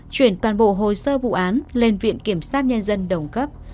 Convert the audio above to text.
chuyển toàn bộ hồ sơ vụ án lên viện kiểm sát nhân dân đồng cấp